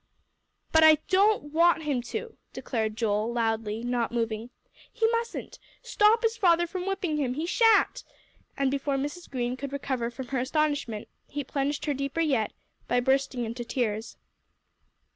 "But I don't want him to," declared Joel, loudly, not moving. "He mustn't! Stop his father from whipping him! He shan't." And before Mrs. Green could recover from her astonishment, he plunged her deeper yet, by bursting into tears.